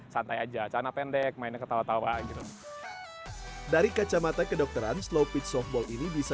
santai aja sana pendek main ketawa tawa dari kacamata kedokteran slowpitch softball ini bisa